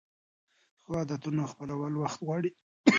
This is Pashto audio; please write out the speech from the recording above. د ښو عادتونو خپلول وخت غواړي.